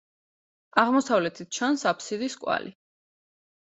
აღმოსავლეთით ჩანს აფსიდის კვალი.